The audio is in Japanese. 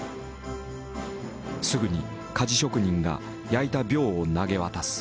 すぐに鍛冶職人が焼いた鋲を投げ渡す。